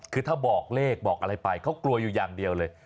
คือถ้าบอกเลขบอกอะไรไปเขากลัวอยู่อย่างเดียวเลย